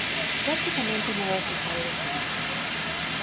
Prácticamente nada se sabe de su vida.